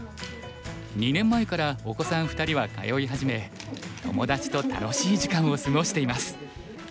２年前からお子さん２人は通い始め友達と楽しい時間を過ごしています。